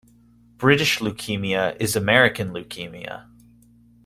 British leukaemia is American leukemia.